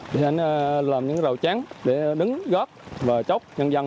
để ảnh làm những rầu chán để đứng góp và chốc nhân dân